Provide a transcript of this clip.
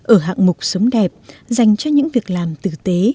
ở hạng mục sống đẹp dành cho những việc làm tử tế